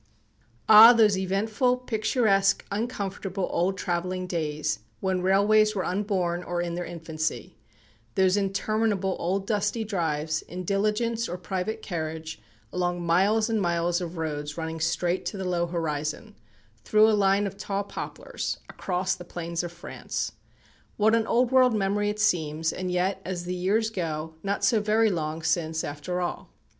Ah, those eventful, picturesque, uncomfortable old travelling days, when railways were unborn, or in their infancy; those interminable old dusty drives, in diligence or private carriage, along miles and miles of roads running straight to the low horizon, through a line of tall poplars, across the plains of France! What an old world memory it seems, and yet, as the years go, not so very long since after all.